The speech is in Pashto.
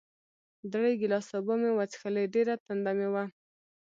درې ګیلاسه اوبه مې وڅښلې، ډېره تنده مې وه.